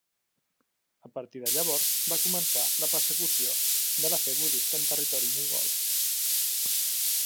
A partir de llavors va començar la persecució de la fe budista en territori mongol.